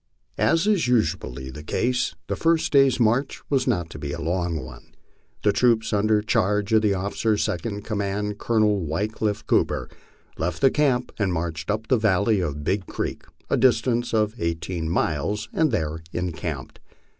As is usually the case, the first day's march was not to be a long one. The troops, under charge of the officer second in command, Colonel Wicklifie Cooper, left camp and marched up the valley of Big Creek a distance of eigh teen miles, and there encamped.